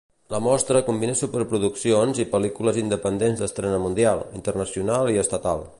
La mostra combina superproduccions i pel·lícules independents d'estrena mundial, internacional i estatal.